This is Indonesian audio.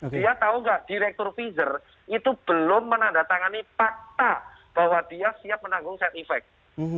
dia tahu nggak direktur pfizer itu belum menandatangani fakta bahwa dia siap menanggung side effect